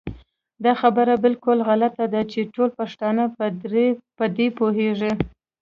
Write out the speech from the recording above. دا خبره بالکل غلطه ده چې ټول پښتانه په دري پوهېږي